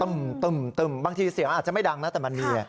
บางทีเสียงอาจจะไม่ดังนะแต่มันมี